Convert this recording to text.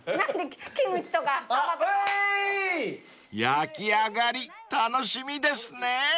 ［焼き上がり楽しみですね］